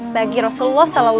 bagi rasulullah saw